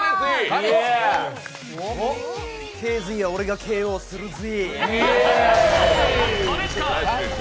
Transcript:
ＫＺは俺がＫＯするぜ。